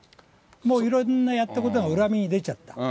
もういろんなやったことが裏目に出ちゃった。